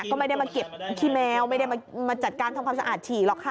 ก็ไม่ได้มาเก็บขี้แมวไม่ได้มาจัดการทำความสะอาดฉี่หรอกค่ะ